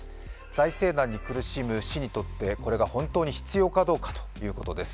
財政難に苦しむ市にとって、これが本当に必要かということです。